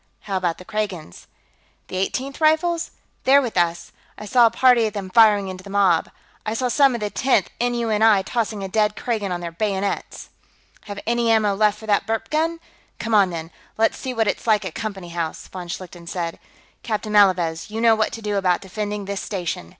"How about the Kragans?" "The Eighteenth Rifles? They're with us. I saw a party of them firing into the mob; I saw some of the Tenth N.U.N.I. tossing a dead Kragan on their bayonets...." "Have any ammo left for that burp gun? Come on, then; let's see what it's like at Company House," von Schlichten said. "Captain Malavez, you know what to do about defending this station.